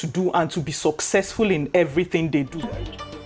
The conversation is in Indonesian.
dan berkesempatan dalam segala hal yang mereka lakukan